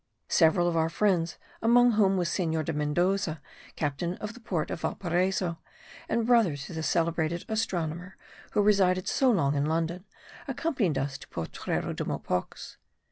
Several of our friends, among whom was Senor de Mendoza, captain of the port of Valparaiso, and brother to the celebrated astronomer who resided so long in London, accompanied us to Potrero de Mopox.